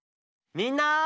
みんな。